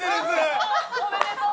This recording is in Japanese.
おめでとう！